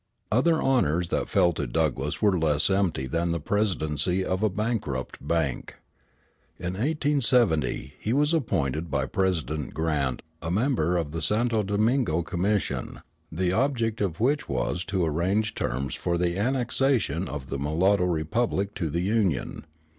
Other honors that fell to Douglass were less empty than the presidency of a bankrupt bank. In 1870 he was appointed by President Grant a member of the Santo Domingo Commission, the object of which was to arrange terms for the annexation of the mulatto republic to the Union.